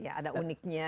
ya ada uniknya